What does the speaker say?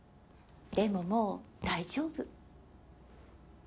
でももう大丈夫。